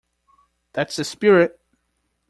That's the spirit!.